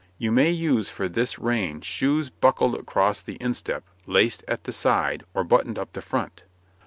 You may use for this reign shoes buckled across the instep, laced at the side, or buttoned up the front.